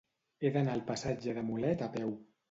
He d'anar al passatge de Mulet a peu.